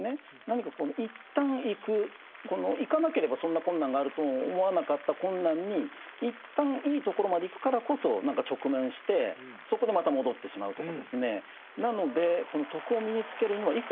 何か一旦行く行かなければそんな困難があるとも思わなかった困難に一旦いいところまで行くからこそ何か直面してそこでまた戻ってしまうとかですね。